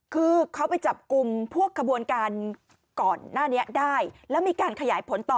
คือเขาไปจับกลุ่มพวกขบวนการก่อนหน้านี้ได้แล้วมีการขยายผลต่อ